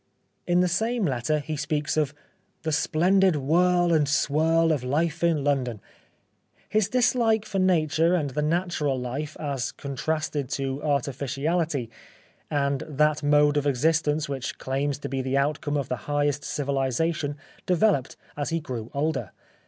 In the same letter, he speaks of " the splendid whirl and swirl of life in London." His dislike for Nature and the natural life as contrasted to artificiality; and that mode of existence which claims to be the outcome of the highest civilisation developed as he grew older.